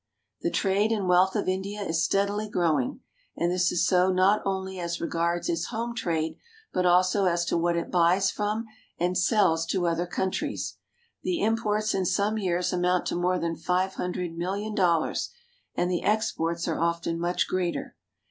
The trade and wealth of India is steadily growing, and this is so not only as regards its home trade, but also as to what it buys from and sells to other countries. The im ports in some years amount to more than five hundred mil lion dollars, and the exports are often much greater.